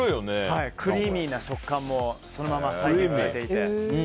クリーミーな食感もそのまま再現されていて。